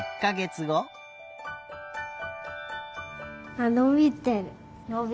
あっのびてる。